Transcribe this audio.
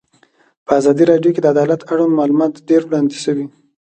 په ازادي راډیو کې د عدالت اړوند معلومات ډېر وړاندې شوي.